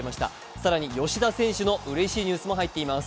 更に吉田選手のうれしいニュースも入っています。